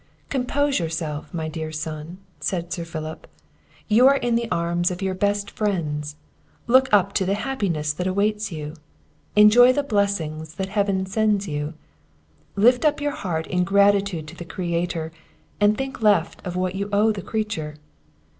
"Compose yourself, my dear son," said Sir Philip; "you are in the arms of your best friends. Look up to the happiness that awaits you enjoy the blessings that Heaven sends you lift up your heart in gratitude to the Creator, and think left of what you owe to the creature!